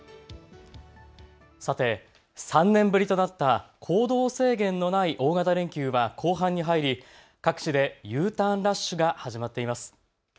さて３年ぶりとなった行動制限のない大型連休は後半に入り各地でＵターンラッシュが始まっています。